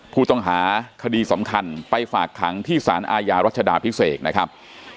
ผู้ต้องหาคดีสำคัญไปฝากขังที่สารอาญารัชดาพิเศษนะครับ